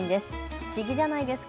不思議じゃないですか。